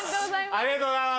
ありがとうございます。